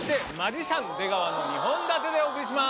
２本立てでお送りします！